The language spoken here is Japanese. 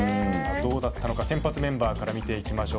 どうだったのか先発メンバーを見ていきましょう。